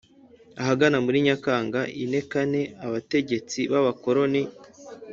Ahagana muri Nyakanga ine kane, abategetsi b’abakoloni